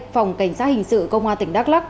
phòng cảnh sát hình sự công an tỉnh đắk lắc